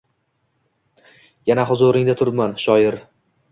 Yana huzuringda turibman, shoir